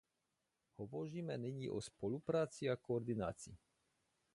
Hovoříme nyní o spolupráci a koordinaci.